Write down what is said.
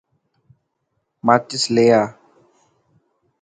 ماچس لي آءَ.